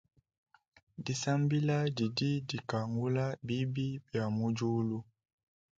Disambila didi dikangula bibi bia mudiulu.